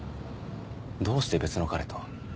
どうして別の彼と？